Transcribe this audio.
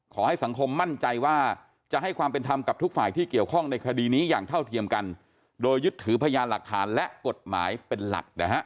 ขอให้สังคมมั่นใจว่าจะให้ความเป็นธรรมกับทุกฝ่ายที่เกี่ยวข้องในคดีนี้อย่างเท่าเทียมกันโดยยึดถือพยานหลักฐานและกฎหมายเป็นหลักนะฮะ